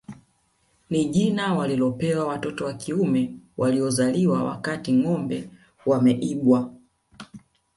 Ni jina walilopewa watoto wa kiume waliozaliwa wakati ngombe wameibwa